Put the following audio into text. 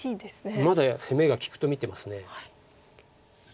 まだ攻めが利くと見てます。